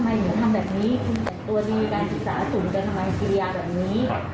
คุณแต่ตัวดีการศึกษาสูญกันทำไมฮิทยาแบบนี้